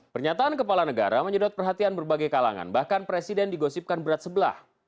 pernyataan kepala negara menyedot perhatian berbagai kalangan bahkan presiden digosipkan berat sebelah